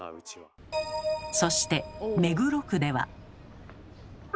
そして目黒区では。